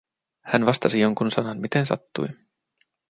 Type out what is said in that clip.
Hän vastasi jonkun sanan, miten sattui.